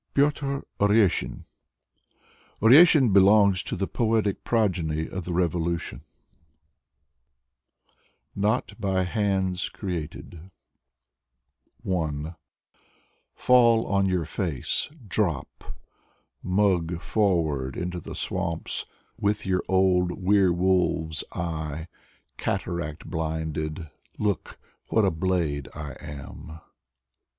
Piotr Oreshin Oreshin belongs to the poetic progeny of the Revolution. 171 172 Piotr Oreshin NOT BY HANDS CREATED I Fall on your face, Drop Mug forward into the swamps. With your old were wolf*s eye, Cataract blinded, Look What a blade I am